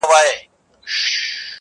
ه زه تر دې کلامه پوري پاته نه سوم~